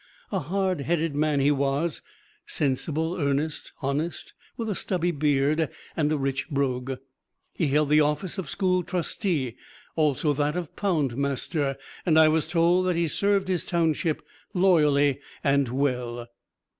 A hard headed man, he was: sensible, earnest, honest, with a stubby beard and a rich brogue. He held the office of school trustee, also that of pound master, and I was told that he served his township loyally and well.